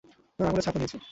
উনার আঙুলের ছাপও নিয়েছি।